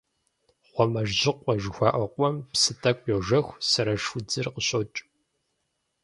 «Гъуамэжьыкъуэ» жыхуаӀэ къуэм псы тӀэкӀу йожэх, сэрэш удзыр къыщокӀ.